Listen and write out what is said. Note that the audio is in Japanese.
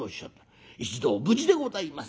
『一同無事でございます』